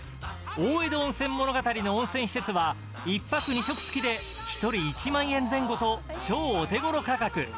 大江戸温泉物語の温泉施設は１泊２食付で１人１万円前後と超お手ごろ価格。